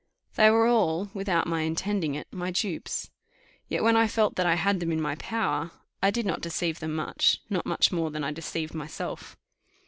They were all, without my intending it, my dupes. Yet when I felt that I had them in my power, I did not deceive them much, not much more than I deceived myself.